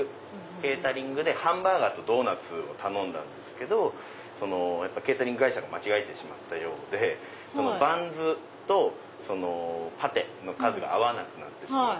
ケータリングでハンバーガーとドーナツを頼んだんですけどケータリング会社が間違えてしまったようでバンズとパテの数が合わなくなってしまって。